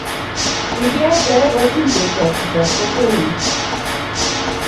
Kikiete kotun cheptab chitab kokwenyu